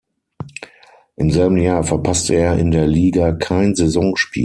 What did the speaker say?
Im selben Jahr verpasste er in der Liga kein Saisonspiel.